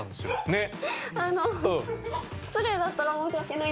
ねっ。